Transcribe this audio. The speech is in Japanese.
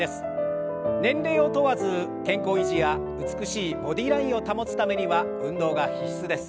年齢を問わず健康維持や美しいボディーラインを保つためには運動が必須です。